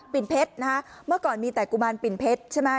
เพชรนะฮะเมื่อก่อนมีแต่กุมารปิ่นเพชรใช่ไหม